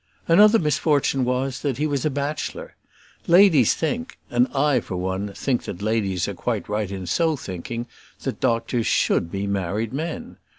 Another misfortune was, that he was a bachelor. Ladies think, and I, for one, think that ladies are quite right in so thinking, that doctors should be married men.